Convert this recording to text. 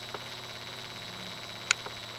মায়ের কসম আমি কাউকে বলবো না!